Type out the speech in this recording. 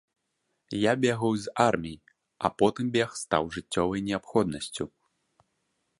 Я бегаю з арміі, а потым бег стаў жыццёвай неабходнасцю.